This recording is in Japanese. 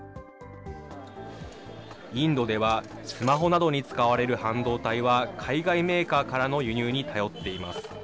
インドでは、スマホなどに使われる半導体は海外メーカーからの輸入に頼っています。